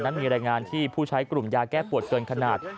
มีรายงานที่ผู้ใช้กลุ่มยาแก้ปวดเกินขนาด